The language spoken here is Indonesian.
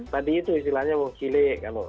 tadi itu istilahnya wong cilik